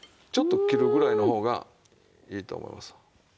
ちょっと切るぐらいの方がいいと思います。